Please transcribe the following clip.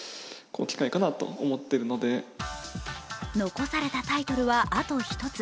残されたタイトルはあと１つ。